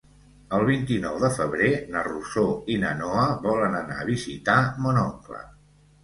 El vint-i-nou de febrer na Rosó i na Noa volen anar a visitar mon oncle.